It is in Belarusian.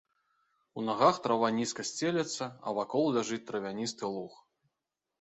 У нагах трава нізка сцелецца, а вакол ляжыць травяністы луг.